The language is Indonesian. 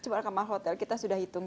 jumlah kamar hotel kita sudah hitung